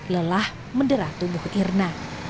lelah menderah tubuh irna